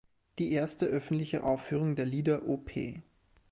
Die erste öffentliche Aufführung der Lieder op.